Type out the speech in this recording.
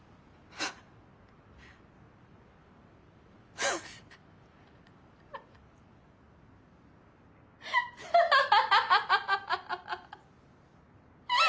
ハハハハ！